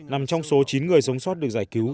nằm trong số chín người sống sót được giải cứu